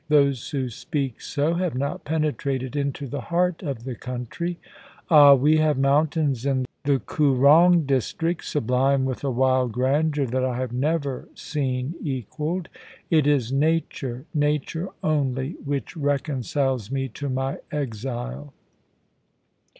Those who speak so have not penetrated into the heart of the country. Ah ! we have mountains in the Koorong district, sublime with a wild grandeur that I have never seen equalled It is nature — nature only which re conciles me to my exile.'